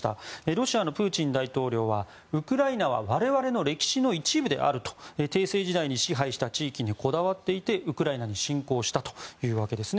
ロシアのプーチン大統領はウクライナは我々の歴史の一部であると帝政時代に支配した地域にこだわっていて、ウクライナに侵攻したというわけです。